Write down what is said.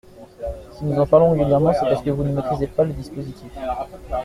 Si nous en parlons régulièrement, c’est parce que vous ne maîtrisez pas le dispositif.